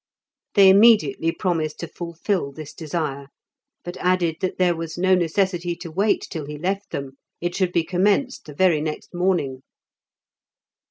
They immediately promised to fulfil this desire, but added that there was no necessity to wait till he left them, it should be commenced the very next morning.